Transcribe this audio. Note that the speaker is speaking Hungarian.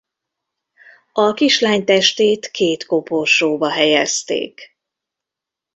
A kislány testét két koporsóba helyezték.